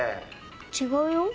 違うよ。